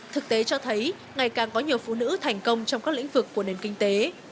thực tế cho thấy ngày càng có nhiều phụ nữ thành công trong các lĩnh vực của nền kinh tế